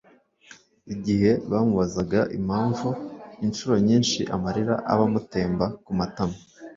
Igihe bamubazaga impamvu incuro nyinshi amarira aba amutemba ku matama